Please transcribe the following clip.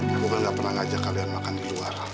aku kan gak pernah ngajak kalian makan di luar